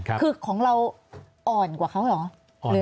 คือของเราอ่อนกว่าเขาเหรอ